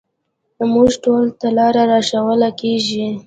موږ ټولو ته لاره راښوول کېږي.